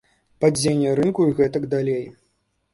Падзенне рынку і гэтак далей.